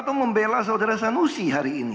atau membela saudara sanusi hari ini